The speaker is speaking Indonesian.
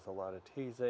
narasi dan imitasi